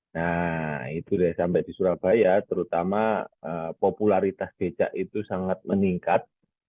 nah itu deh sampai di surabaya terutama popularitas becak itu sangat meningkat